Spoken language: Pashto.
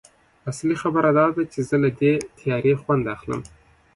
اصلي خبره دا ده چې زه له دې تیارې خوند اخلم